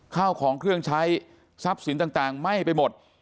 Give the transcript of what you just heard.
ข้าวของเครื่องใช้ทรัพย์สินต่างไหม้ไปหมด